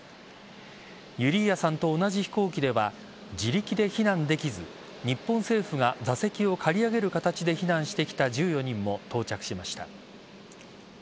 ユリーアさんと同じ飛行機では自力で避難できず日本政府が座席を借り上げる形で避難してきた１４人も到着しました。